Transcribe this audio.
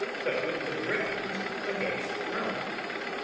but with the Britons against Rome.